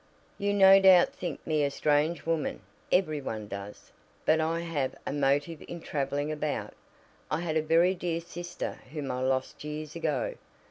"You no doubt think me a strange woman every one does but I have a motive in traveling about. I had a very dear sister whom I lost years ago.